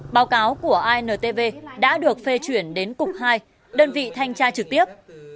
báo cáo của intv đã được phê chuyển đến cục hai đơn vị thanh tra trực tiếp